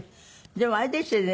でもあれですよね。